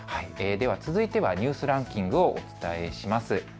続いてはニュースランキングをお伝えします。